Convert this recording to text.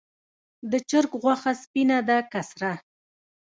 د چرګ غوښه سپینه ده که سره؟